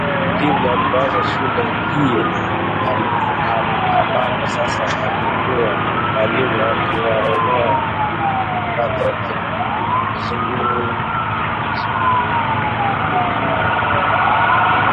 Ndivyo ilivyoanza shule hiyo ambako sasa nilikuwa mwalimu nikiwaondoa watoto uzumbukuku